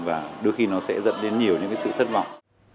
và đôi khi nó sẽ dẫn đến nhiều những cái sự thất vọng